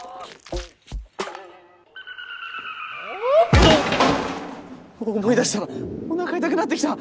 倒れる音思い出したらお腹痛くなってきた。